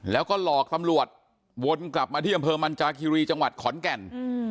แล้วก็หลอกตำรวจวนกลับมาที่อำเภอมันจาคิรีจังหวัดขอนแก่น